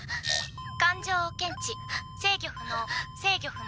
感情を検知制御不能制御不能。